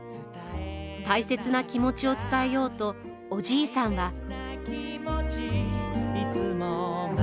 大切な気持ちを伝えようとおじいさんは。